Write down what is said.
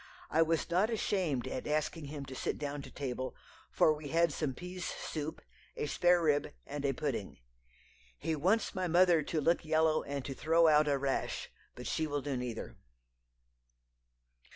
I was not ashamed at asking him to sit down to table, for we had some pease soup, a sparerib, and a pudding. He wants my mother to look yellow and to throw out a rash, but she will do neither."